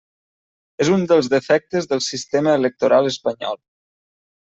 És un dels defectes del sistema electoral espanyol.